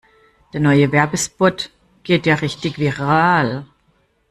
Der neue Werbespot geht ja richtig viral.